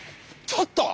ちょっと！